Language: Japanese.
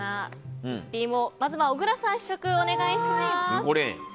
まずは小倉さん試食をお願いします。